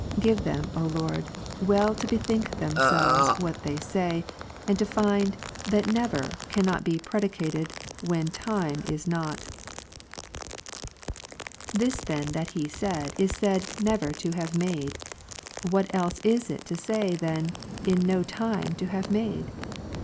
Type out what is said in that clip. Give them, O Lord, well to bethink themselves what they say, and to find, that "never" cannot be predicated, when "time "is not, _. This then that He is said " never to have made;" what else is it to say, than "in 'no time' to have made?"